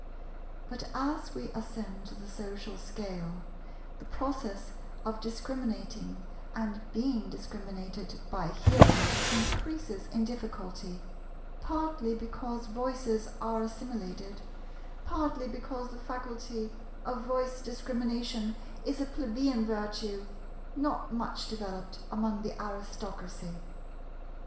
But as we ascend the social scale, the process of discriminating and being discriminated by hearing increases in difficulty, partly because voices are assimilated, partly because the faculty of voice discrimination is a plebeian virtue not much developed among the Aristocracy.